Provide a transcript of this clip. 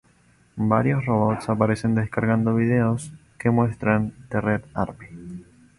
Varios robots aparecen descargando videos que muestran 'The Red Army'.